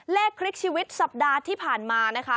คลิกชีวิตสัปดาห์ที่ผ่านมานะคะ